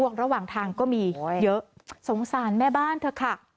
ระหว่างทางก็มีเยอะสงสารแม่บ้านเถอะค่ะ